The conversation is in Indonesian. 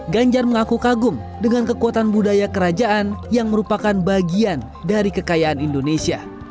ganjar mengaku kagum dengan kekuatan budaya kerajaan yang merupakan bagian dari kekayaan indonesia